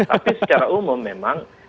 tapi secara umum memang